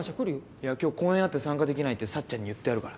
いや今日公演あって参加できないってさっちゃんに言ってあるから。